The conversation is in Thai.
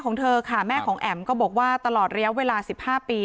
ของเธอค่ะแม่ของแอ๋มก็บอกว่าตลอดระยะเวลา๑๕ปี